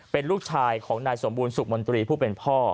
เป็นลูกชายของนายสมบูรณสุขมนตรีผู้เป็นพ่อ